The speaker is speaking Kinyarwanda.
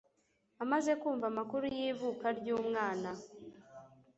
Amaze kumva amakuru y’ivuka ry’umwana